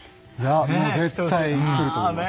もう絶対来ると思います。